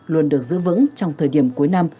luôn được giữ vững trong thời điểm cuối năm